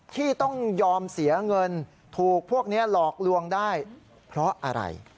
ที่ต้องยอมเสียเงินถูกพวกนี้หลอกลวงได้เพราะอะไร